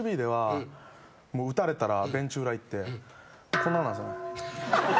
こんなんなんすよね。